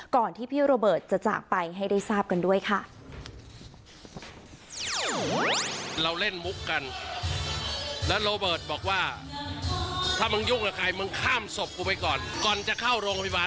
ก่อนที่พี่โรเบิร์ตจะจากไปให้ได้ทราบกันด้วยค่ะ